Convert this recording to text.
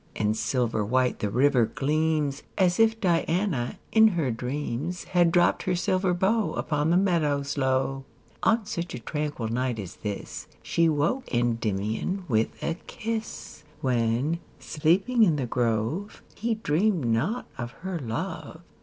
5 And silver white the river gleams, As if Diana, in her dreams, • Had dropt her silver bow Upon the meadows low. On such a tranquil night as this, io She woke Kndymion with a kis^, When, sleeping in tin grove, He dreamed not of her love.